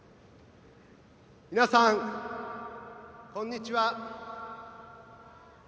皆さん、こんにちは。